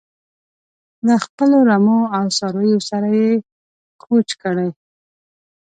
له خپلو رمو او څارویو سره یې کوچ کړی.